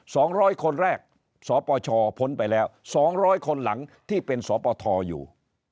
สองร้อยคนแรกสปชพ้นไปแล้วสองร้อยคนหลังที่เป็นสปทอยู่